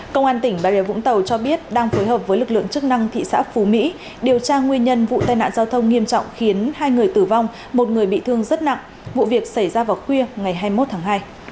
công an tỉnh bà rìa vũng tàu cho biết đang phối hợp với lực lượng chức năng thị xã phú mỹ điều tra nguyên nhân vụ tai nạn giao thông nghiêm trọng khiến hai người tử vong một người bị thương rất nặng vụ việc xảy ra vào khuya ngày hai mươi một tháng hai